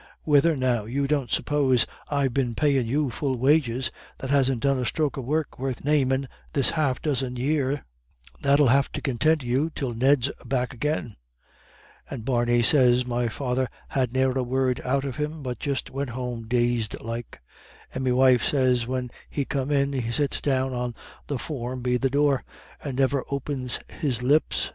Whethen now, you don't suppose I've been payin' you full wages, that hasn't done a stroke of work worth namin' this half dozen year? That'ill have to contint you till Ned's back agin.' "And Barney sez my father had ne'er a word out of him, but just went home dazed like. And me wife sez when he come in, he sits down on the form be the door, and niver opens his lips.